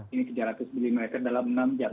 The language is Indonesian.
ini tiga ratus mm dalam enam jam